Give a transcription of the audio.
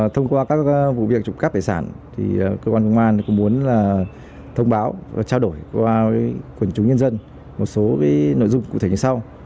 trộm cắt tài sản cơ quan công an muốn thông báo và trao đổi với quần chủ nhân dân một số nội dung cụ thể như sau